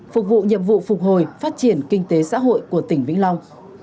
phục vụ nhiệm vụ phục hồi phát triển kinh tế xã hội của tỉnh vĩnh long